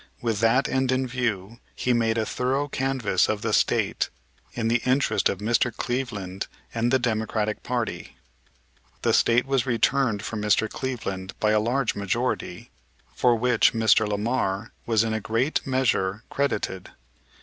With that end in view he made a thorough canvass of the State in the interest of Mr. Cleveland and the Democratic party. The State was returned for Mr. Cleveland by a large majority, for which Mr. Lamar was in a great measure credited. Mr.